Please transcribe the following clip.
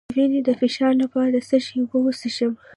د وینې د فشار لپاره د څه شي اوبه وڅښم؟